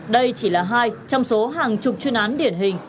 đây chỉ là hai trong số hàng chục chuyên án điển hình